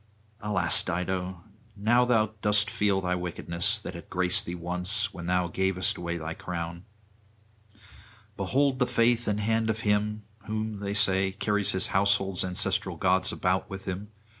Alas, Dido! now thou dost feel thy wickedness; that had graced thee once, when thou gavest away thy crown. Behold the faith and hand of him! who, they say, carries his household's ancestral gods about with him!